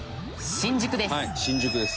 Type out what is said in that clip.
「新宿です」